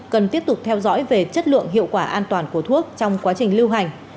cần tiếp tục theo dõi về chất lượng hiệu quả an toàn của thuốc trong quá trình lưu hành